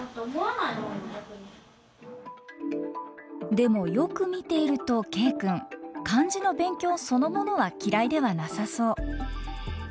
でもよく見ているとＫ君漢字の勉強そのものは嫌いではなさそう。